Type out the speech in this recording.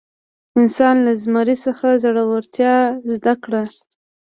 انسان له زمري څخه زړورتیا زده کړه.